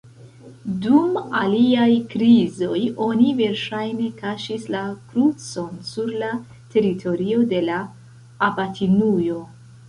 Dum aliaj krizoj oni verŝajne kaŝis la krucon sur la teritorio de la abatinujo.